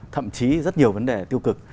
thậm chí rất nhiều vấn đề tiêu cực